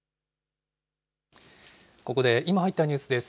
ここで今入ったニュースです。